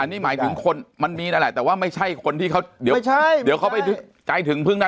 นี่หมายถึงคนมันมีนั่นแหละแต่ว่าไม่ใช่คนที่เขาเดี๋ยวเขาไปใจถึงพึ่งนะ